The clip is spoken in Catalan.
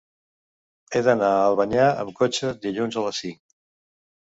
He d'anar a Albanyà amb cotxe dilluns a les cinc.